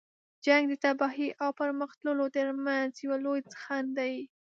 جنګ د تباهۍ او پرمخ تللو تر منځ یو لوی خنډ دی.